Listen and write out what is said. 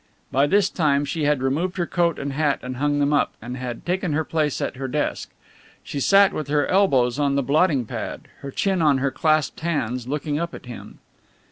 By this time she had removed her coat and hat and hung them up, and had taken her place at her desk. She sat with her elbows on the blotting pad, her chin on her clasped hands, looking up at him.